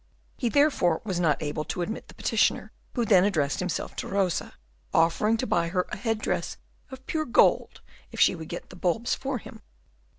He therefore was not able to admit the petitioner, who then addressed himself to Rosa, offering to buy her a head dress of pure gold if she would get the bulbs for him.